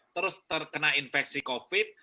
terus terkena infeksi covid